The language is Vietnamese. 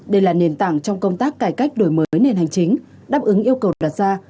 đây là nền tảng trong công tác cải cách đổi mới nền hành chính đáp ứng yêu cầu đặt ra